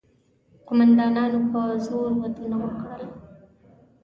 قوماندانانو په زور ودونه وکړل.